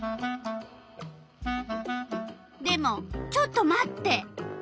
でもちょっと待って。